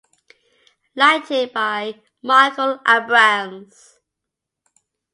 Lighting by Michael Abrams.